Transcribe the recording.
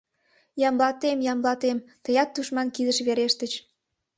Ямблатем, Ямблатем, тыят тушман кидыш верештыч!